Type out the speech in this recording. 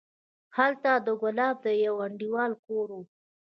هلته د ګلاب د يوه انډيوال کور و.